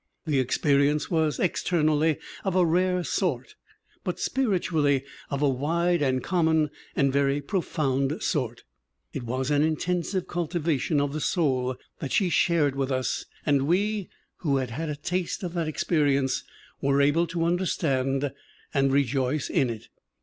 The experience was externally of a rare sort but spiritually of a wide and common and very profound sort. It was an intensive cultivation of the soul that she shared with us and CORRA HARRIS 155 we who had had a taste of that experience were able to understand and rejoice in it.